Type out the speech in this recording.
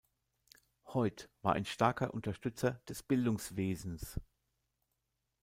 Hoyt war ein starker Unterstützer des Bildungswesens.